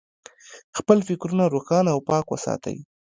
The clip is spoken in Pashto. خپل فکرونه روښانه او پاک وساتئ.